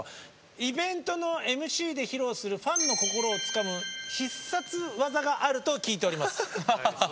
イベントのＭＣで披露するファンの心をつかむ必殺技があると聞いております。